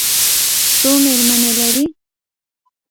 څو مېرمنې لري؟